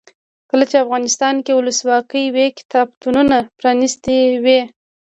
کله چې افغانستان کې ولسواکي وي کتابتونونه پرانیستي وي.